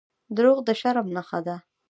• دروغ د شرم نښه ده.